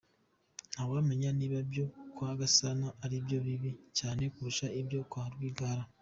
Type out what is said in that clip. Nta wamenya niba ibyo kwa Gasana ari byo bibi cyane kurusha ibyo kwa Rwigara.